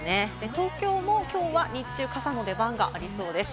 東京もきょうは日中、傘の出番がありそうです。